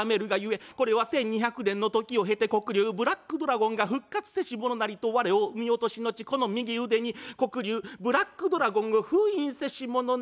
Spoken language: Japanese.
これは１，２００年の時を経て黒竜ブラックドラゴンが復活せしものなりと我を産み落とし後この右腕に黒竜ブラックドラゴンを封印せしものなり。